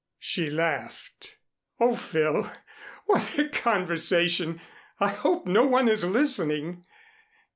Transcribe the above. She laughed. "Oh, Phil! What a conversation! I hope no one is listening."